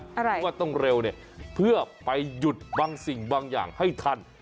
เพราะว่าต้องเร็วเนี่ยเพื่อไปหยุดบางสิ่งบางอย่างให้ทัน